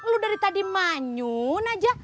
lu dari tadi manyun aja